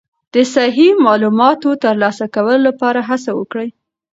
د صحیح معلوماتو ترلاسه کولو لپاره هڅه وکړئ.